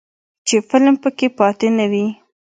چې فلم پکې پاتې نه وي.